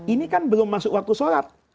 ini kan belum masuk waktu sholat